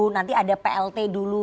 nanti ada plt dulu